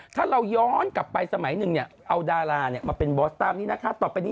ถ้าเราย้อนกลับไปสมัย๑เอาดาราเนี่ยมาเป็นบอสต้านี่นะคะต่อไป